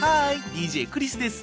ＤＪクリスです。